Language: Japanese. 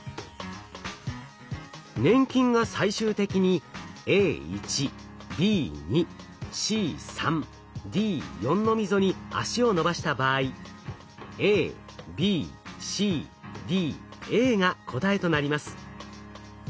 粘菌が最終的にＡ１Ｂ２Ｃ３Ｄ４の溝に足を伸ばした場合が答えとなります。